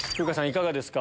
いかがですか？